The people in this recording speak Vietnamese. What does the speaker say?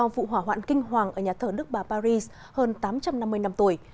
vụ hỏa hoạn kinh hoàng ở nhà thờ đức bà paris hơn tám trăm năm mươi năm tuổi